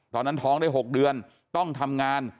ตอนนั้นท้องได้๖เดือนต้องทำงาน